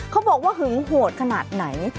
บอกว่าหึงโหดขนาดไหน